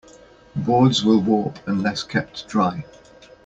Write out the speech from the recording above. Boards will warp unless kept dry.